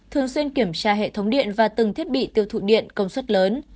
thường xuyên kiểm tra hệ thống điện và từng thiết bị tiêu thụ điện công suất lớn